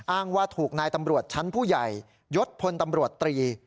อ้างว่าถูกนายตำรวจชั้นผู้ใหญ่ยศพลตำรวจตรี